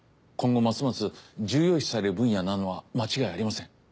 今後ますます重要視される分野なのは間違いありません。